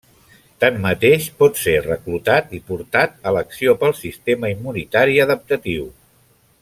Tanmateix, pot ser reclutat i portat a l'acció pel sistema immunitari adaptatiu.